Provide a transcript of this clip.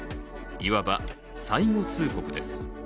いわば、最後通告です。